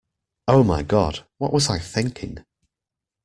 Oh my God, what was I thinking?